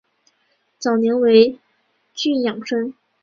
早年为郡庠生。